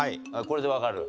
これでわかる？